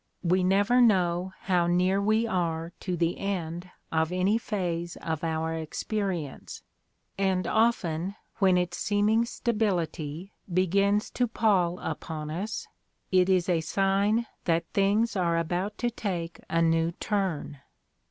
... We never know how near we are to the end of any phase of our experience, and often when its seeming stability begins to pall upon us, it is a sign that things are about to take a new turn."